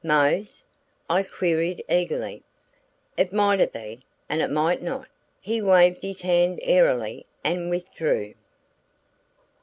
"Mose?" I queried eagerly. "It might have been and it might not." He waved his hand airily and withdrew.